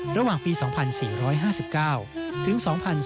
ระหว่างปี๒๔๕๙ถึง๒๔